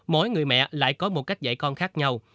mỗi người mẹ lại có một cách dạy con khác nhau